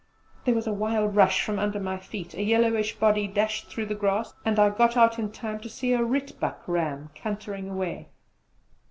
There was a wild rush from under my feet, a yellowish body dashed through the grass, and I got out in time to see a rietbuck ram cantering away.